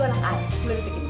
anda adalah anak saya syedna